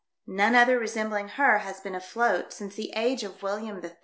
None other resembling her has been afloat since the age of William III.